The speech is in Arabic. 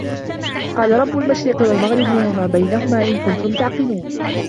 قالَ رَبُّ المَشرِقِ وَالمَغرِبِ وَما بَينَهُما إِن كُنتُم تَعقِلونَ